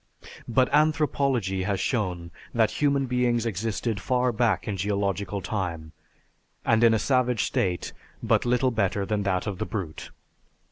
But anthropology has shown that human beings existed far back in geological time, and in a savage state but little better than that of the brute....